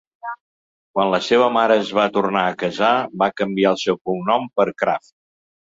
Quan la seva mare es va tornar a casar, va canviar el seu cognom per "Kraft".